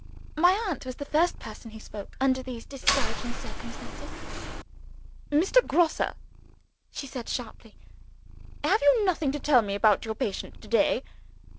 My aunt was the first person who spoke, under these discouraging circumstances. "Mr. Grosse!" she said sharply. "Have you nothing to tell me about your patient to day?